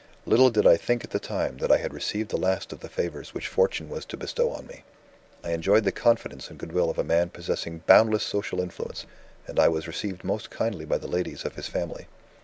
Little did I think at the time, that I had received the last of the favours which Fortune was to bestow on me. I enjoyed the confidence and goodwill of a man possessing boundless social influence; and I was received most kindly by the ladies of his family.